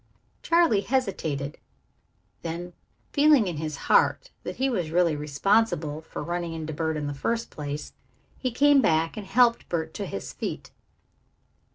Charley hesitated. Then, feeling in his heart that he was really responsible for running into Bert in the first place, he came back and helped Bert to his feet.